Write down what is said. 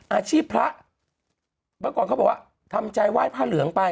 อาชีพพระเมื่อก่อนเขาบอกว่าทำใจไหว้พระเหลืองไป